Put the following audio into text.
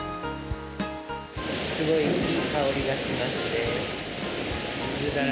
すごいいい香りがしますね。